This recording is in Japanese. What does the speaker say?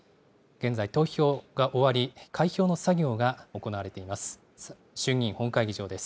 現在、投票が終わり、開票の作業が行われています。